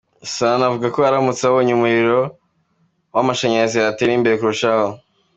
Sahane avuga ko aramutse abonye umuriro w’amashanyarazi yatera imbere kurushaho.